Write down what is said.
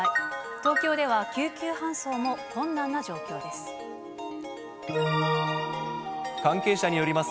東京では救急搬送も困難な状況です。